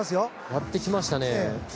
やってきましたね。